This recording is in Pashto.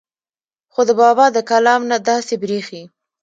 خو د بابا د کلام نه داسې بريښي